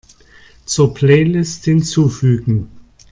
Zur Playlist hinzufügen.